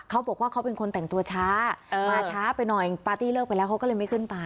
เขาบอกว่าเขาเป็นคนแต่งตัวช้ามาช้าไปหน่อยปาร์ตี้เลิกไปแล้วเขาก็เลยไม่ขึ้นไป